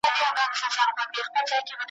د ښکاري به په ښکار نه سوې چمبې غوړي ,